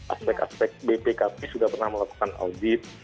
aspek aspek bpkp sudah pernah melakukan audit